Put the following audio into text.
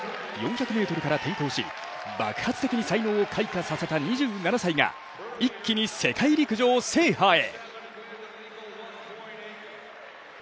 ４００ｍから転向し、爆発的に才能を開花させた２７歳が一気に世界陸上制覇へ。